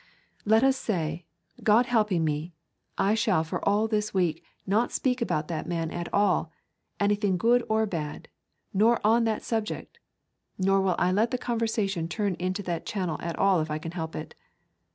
Let us say, God helping me, I shall for all this week not speak about that man at all, anything either good or bad, nor on that subject, nor will I let the conversation turn into that channel at all if I can help it.